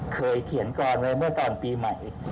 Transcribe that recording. เคยเขียนกรอนไว้เมื่อตอนปีใหม่